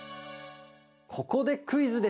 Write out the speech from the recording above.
ここでクイズです！